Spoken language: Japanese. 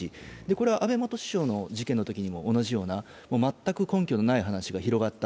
安倍元首相の事件のときにも同じような全く根拠のないような話が広がった。